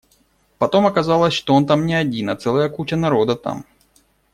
Потом оказалось, что он там не один, а целая куча народа там.